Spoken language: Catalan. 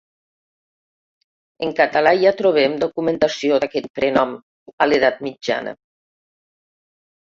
En català ja trobem documentació d'aquest prenom a l'edat mitjana.